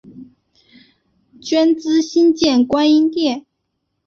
捐资新建观音殿。